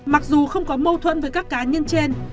mặc dù không có mâu thuẫn với các cá nhân trên